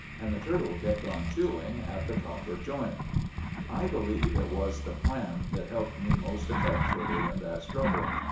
And the turtle kept on chewing at the copper joint. "'I believe it was the clam that helped me most effectually in that struggle.